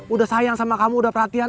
udah sayang sama kamu udah perhatian